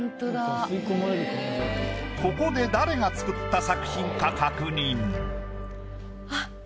ここで誰が作った作品か確認。